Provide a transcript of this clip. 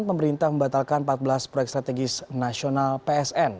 pemerintah membatalkan empat belas proyek strategis nasional psn